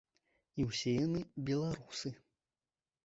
І ўсе яны беларусы.